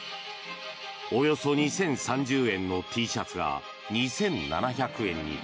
およそ２０３０円のＴシャツが２７００円に。